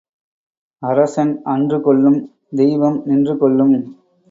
அரசன் அன்று கொல்லும் தெய்வம் நின்று கொல்லும்.